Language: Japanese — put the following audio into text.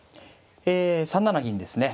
え３七銀ですね。